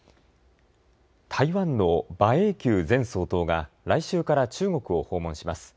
台湾の馬英九前総統が来週から中国を訪問します。